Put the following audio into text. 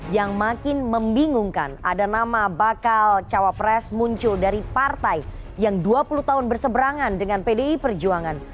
yang makin membingungkan ada nama bakal cawapres muncul dari partai yang dua puluh tahun berseberangan dengan pdi perjuangan